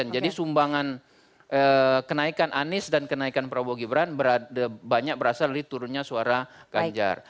jadi sumbangan kenaikan anies dan kenaikan prabowo gibran banyak berasal dari turunnya suara ganjar